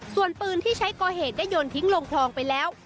ส่วนปืนที่ใช้ก่อเหตุได้โยนทิ้งลงคลองไปแล้ว